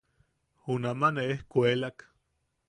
Junama ne ejkuelak.